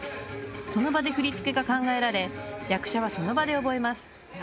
その場で振り付けが考えられ役者はその場で覚えます